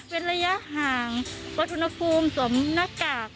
เวลายะห่างปลดอุณหภูมิสมหน้ากาก